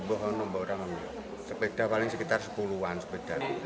orang orang sepeda paling sekitar sepuluh an sepeda